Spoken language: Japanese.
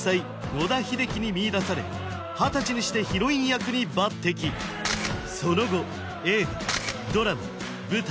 野田秀樹に見いだされ二十歳にしてヒロイン役に抜てきその後映画ドラマ舞台